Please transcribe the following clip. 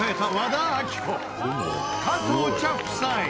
加藤茶夫妻。